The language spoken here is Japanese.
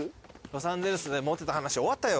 ロサンゼルスでモテた話終わったよ。